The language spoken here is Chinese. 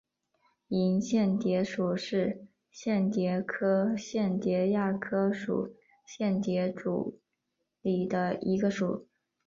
莹蚬蝶属是蚬蝶科蚬蝶亚科树蚬蝶族里的一个属。